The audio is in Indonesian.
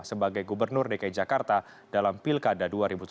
sebagai gubernur dki jakarta dalam pilkada dua ribu tujuh belas